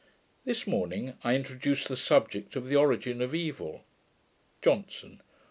This morning I introduced the subject of the origin of evil. JOHNSON.